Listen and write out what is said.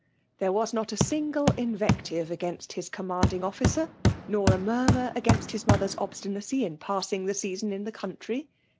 There was not a single invective against his commanding officer, nor a murmur against his mother^s obstinacy in passing the season in the country.